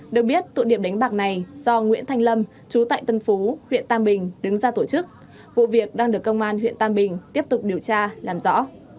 được biết tụ điểm đánh bạc này do nguyễn thanh lâm chú tại tân phú huyện tam bình đứng ra tổ chức vụ việc đang được công an huyện tam bình tiếp tục điều tra làm rõ